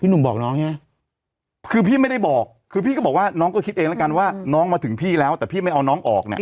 หนุ่มบอกน้องใช่ไหมคือพี่ไม่ได้บอกคือพี่ก็บอกว่าน้องก็คิดเองแล้วกันว่าน้องมาถึงพี่แล้วแต่พี่ไม่เอาน้องออกเนี่ย